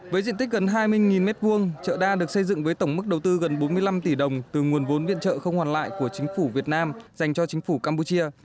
với diện tích gần hai mươi m hai chợ đa được xây dựng với tổng mức đầu tư gần bốn mươi năm tỷ đồng từ nguồn vốn viện trợ không hoàn lại của chính phủ việt nam dành cho chính phủ campuchia